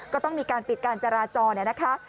ก็ต้องมีการปิดการจราจรนะคะ